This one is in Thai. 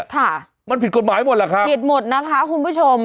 ค่ะมันผิดกฎหมายหมดแหละครับผิดหมดนะคะคุณผู้ชม